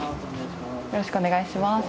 よろしくお願いします。